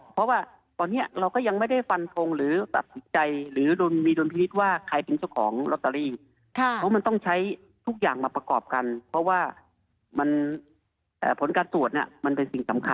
เพราะว่าตอนนี้เราก็ยังไม่ได้ฟันทงหรือตัดสินใจหรือมีดุลพินิษฐ์ว่าใครเป็นเจ้าของลอตเตอรี่เพราะมันต้องใช้ทุกอย่างมาประกอบกันเพราะว่ามันผลการตรวจเนี่ยมันเป็นสิ่งสำคัญ